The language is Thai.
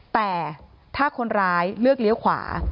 แต่ถ้าคนร้ายเลือกเลี้ยวขวา